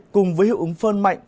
cùng với hiệu ứng phơn mạnh